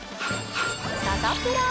サタプラ。